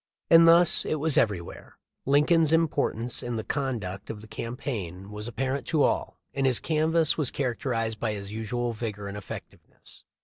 And thus it was everywhere. Lincoln's impor tance in the conduct of the campaign was appar 388 THE LIFE 0F LINCOLN. ent to all, and his canvass was characterized by his usual vigor and effectiveness.